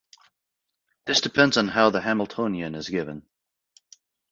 This depends on how the Hamiltonian is given.